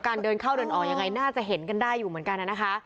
เดินเข้าเดินออกยังไงน่าจะเห็นกันได้อยู่เหมือนกันนะคะ